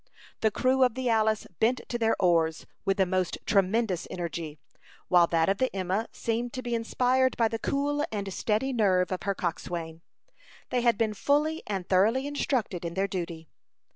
The crew of the Alice bent to their oars with the most tremendous energy, while that of the Emma seemed to be inspired by the cool and steady nerve of her coxswain. They had been fully and thoroughly instructed in their duty.